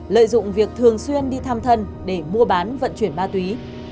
lợi dụng việc thường xuyên đi thăm thân để mua bán vận chuyển ma túy